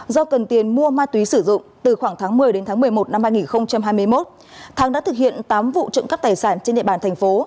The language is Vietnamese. do cần tiền mua ma túy sử dụng từ khoảng tháng một mươi đến tháng một mươi một năm hai nghìn hai mươi một thắng đã thực hiện tám vụ trộm cắp tài sản trên địa bàn thành phố